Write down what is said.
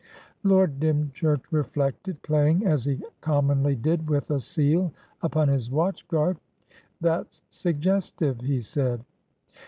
Lord Dymchurch reflected, playing, as he commonly did, with a seal upon his watch guard. "That's suggestive," he said.